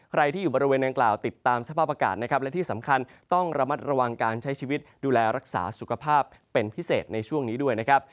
ใครที่อยู่บริเวณนางกล่าวติดตามสภาพอากาศนะครับและที่สำคัญต้องระมัดระวังการใช้ชีวิตดูแลรักษาสุขภาพเป็นพิเศษในช่วงนี้ด้วยนะครับ